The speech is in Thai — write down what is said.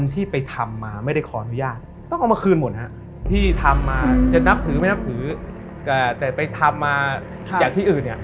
ทำมาอย่างที่อื่นเนี่ย